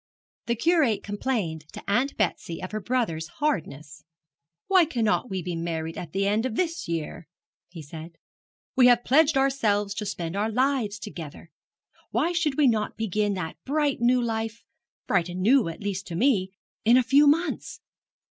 The Curate complained to Aunt Betsy of her brother's hardness. 'Why cannot we be married at the end of this year?' he said. 'We have pledged ourselves to spend our lives together. Why should we not begin that bright new life bright and new, at least to me in a few months?